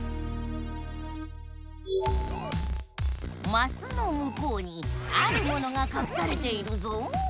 マスのむこうにあるものがかくされているぞ。